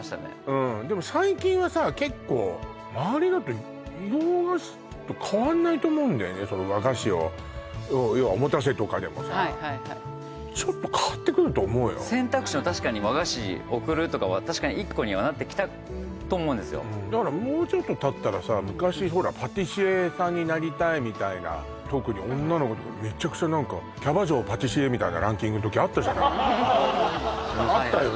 うんでも最近はさ結構まわりだってその和菓子をようははいはいはいちょっと変わってくると思うよ選択肢の確かに「和菓子贈る」とかは確かに一個にはなってきたと思うんですよだからもうちょっとたったらさ昔ほらパティシエさんになりたいみたいな特に女の子とかめちゃくちゃ何かキャバ嬢パティシエみたいなランキングの時あったじゃないンフフフあったよね？